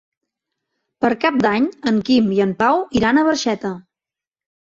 Per Cap d'Any en Quim i en Pau iran a Barxeta.